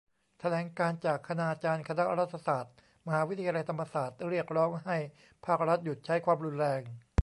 แถลงการณ์จากคณาจารย์คณะรัฐศาสตร์ มหาวิทยาลัยธรรมศาสตร์ เรียกร้องให้ภาครัฐหยุดใช้ความรุนแรง